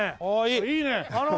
いいね！